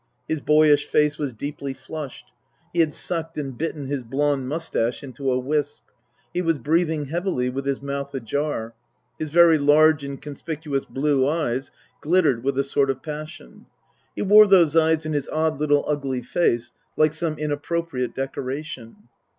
His boyish face was deeply flushed ; he had sucked and bitten his blond moustache into a wisp; he was breathing heavily, with his mouth ajar ; his very large and conspicuous blue eyes glittered with a sort of passion. (He wore those eyes in his odd little ugly face like some inappropriate decoration.)